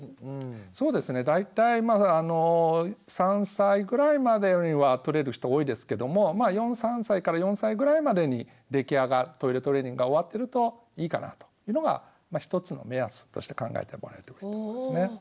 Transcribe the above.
そうですね大体まあ３歳ぐらいまでにはとれる人多いですけどもまあ３歳４歳ぐらいまでにトイレトレーニングが終わってるといいかなというのが１つの目安として考えてもらえるといいと思いますね。